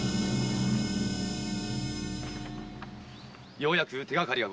ようやく手がかりが。